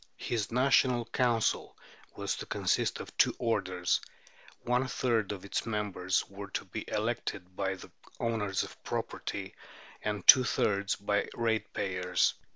"His National Council was to consist of two orders; one third of its members were to be elected by the owners of property, and two thirds by ratepayers.